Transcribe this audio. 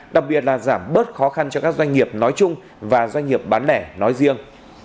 đặc biệt là giảm bớt khó khăn cho các doanh nghiệp nói chung và doanh nghiệp bán lẻ nói riêng